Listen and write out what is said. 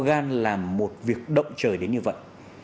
họ gian làm một việc động trời đến như vậy